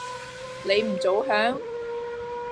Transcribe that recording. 你唔早響？